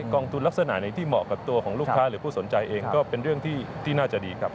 กองทุนลักษณะไหนที่เหมาะกับตัวของลูกค้าหรือผู้สนใจเองก็เป็นเรื่องที่น่าจะดีครับ